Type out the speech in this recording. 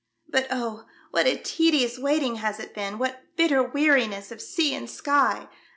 But, oh ! what a tedious waiting has it been, what bitter weariness of sea and sky